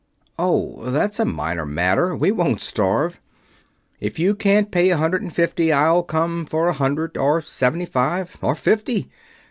Oh, that's a minor matter. We won't starve. If you can't pay a hundred and fifty I'll come for a hundred, or seventy five, or fifty....